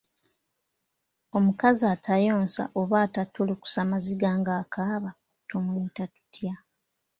Omukazi atayonsa oba atattulukusa maziga ng’akaaba tumuyita tutya?